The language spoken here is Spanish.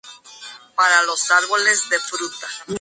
Es la mejor amiga y ayudante en momentos.